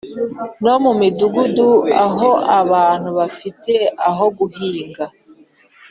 no mu midugudu, aho abantu badafite aho guhinga